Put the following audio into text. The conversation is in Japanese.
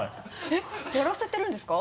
えっやらせてるんですか？